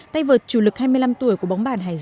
tay vợt chủ lực hai mươi năm tuổi của bóng bàn hải dương